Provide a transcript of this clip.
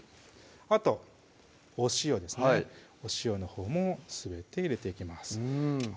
あとお塩ですねお塩のほうもすべて入れていきます